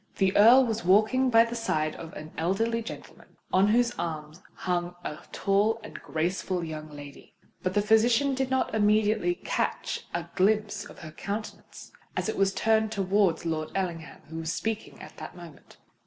The Earl was walking by the side of an elderly gentleman, on whose arm hung a tall and graceful young lady; but the physician did not immediately catch a glimpse of her countenance, as it was turned towards Lord Ellingham, who was speaking at the moment.